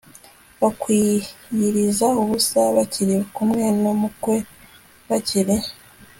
bakwiyiriza ubusa bakiri kumwe n umukwe Bakiri